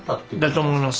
だと思います。